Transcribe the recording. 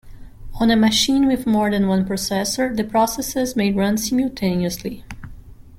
On a machine with more than one processor, the processes may run simultaneously.